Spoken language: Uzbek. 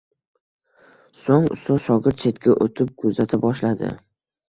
Soʻng ustoz-shogird chetga oʻtib kuzata boshladi